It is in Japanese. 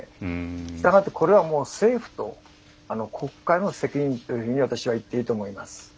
したがってこれはもう政府と国会の責任というふうに私は言っていいと思います。